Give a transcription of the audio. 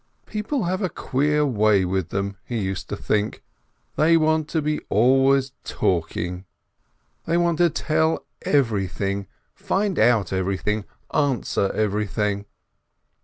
People have a queer way with them, he used to think, they want to be always talking! They want to tell everything, find out everything, answer everything!